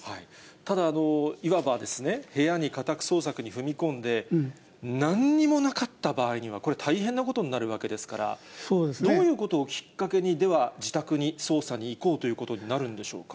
ただ、いわば部屋に家宅捜索に踏み込んで、なんにもなかった場合には、これ大変なことになるわけですから、どういうことをきっかけに、では、自宅に捜査に行こうということになるんでしょうか。